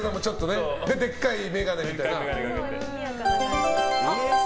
それで、でっかい眼鏡みたいなね。